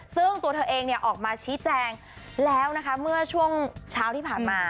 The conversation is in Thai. ซึ่งตัวเธอเองออกมาชี้แจงแล้วนะคะเมื่อช่วงเช้าที่ผ่านมา